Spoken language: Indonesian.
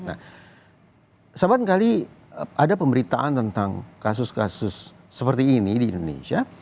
nah samankali ada pemberitaan tentang kasus kasus seperti ini di indonesia